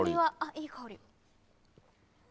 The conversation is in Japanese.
いい香り。